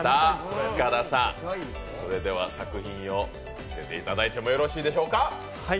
塚田さん、それでは作品を見せていただいてもよろしいでしょうか。